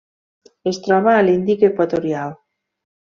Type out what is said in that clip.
Es troba a l'Índic equatorial.